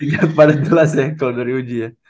tidak pada jelas ya kalau dari uji ya